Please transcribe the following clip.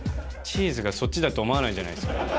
チーズがそっちだと思わないじゃないですか。